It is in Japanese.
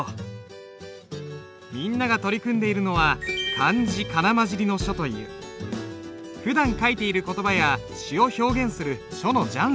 みんなが取り組んでいるのはふだん書いている言葉や詩を表現する書のジャンルだ。